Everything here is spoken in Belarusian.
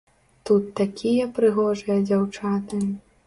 Тут такія прыгожыя дзяўчаты.